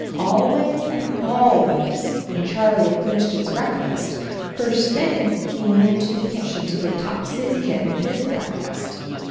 54 CHARLIE Always and always when Charlie had fin ished his breakfast, first thing he went into the kitchen to give Topsy the kitten Ms breakfast.